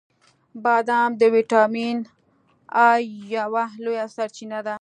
• بادام د ویټامین ای یوه لویه سرچینه ده.